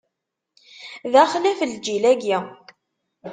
D axlaf, lǧil-agi!